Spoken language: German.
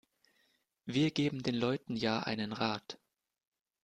Wir geben den Leuten ja einen Rat.